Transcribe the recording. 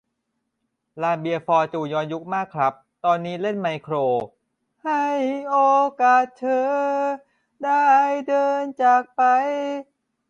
ลานเบียร์ฟอร์จูนย้อนยุคมากครับ ตอนนี้เล่นไมโคร "ให้โอกาสเธอ ได้เดินจากไป "